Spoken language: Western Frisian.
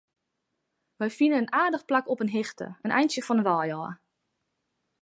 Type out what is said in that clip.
Wy fine in aardich plak op in hichte, in eintsje fan 'e wei ôf.